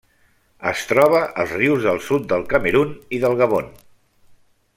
Es troba als rius del sud del Camerun i del Gabon.